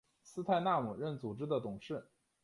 斯泰纳姆任组织的董事。